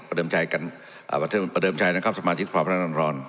ประเดิมชัยกันประเดิมชัยนะครับสมาชิกภาพธนรรณ